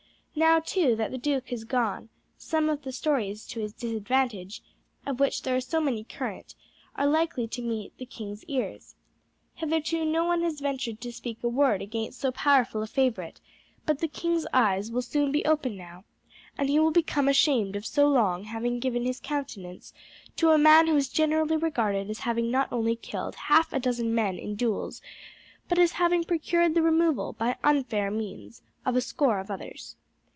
Now, too, that the duke has gone, some of the stories to his disadvantage, of which there are so many current, are likely to meet the king's ears. Hitherto no one has ventured to speak a word against so powerful a favourite; but the king's eyes will soon be open now, and he will become ashamed of so long having given his countenance to a man who is generally regarded as having not only killed half a dozen men in duels, but as having procured the removal, by unfair means, of a score of others.